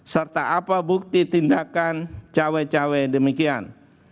serta apa bukti tindakan cawe cawe demikian